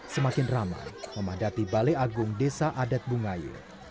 semakin ramai memandati balai agung desa adat bungaya